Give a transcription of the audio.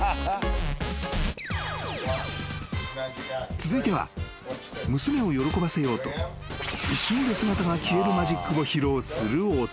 ［続いては娘を喜ばせようと一瞬で姿が消えるマジックを披露するお父さん］